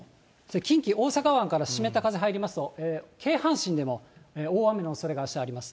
近畿、大阪湾から湿った風入りますと、京阪神でも大雨のおそれがあしたあります。